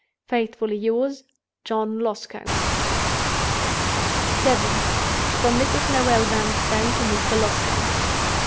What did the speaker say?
"Faithfully yours, "JOHN LOSCOMBE." VII. From Mrs. Noel Vanstone to Mr. Loscombe.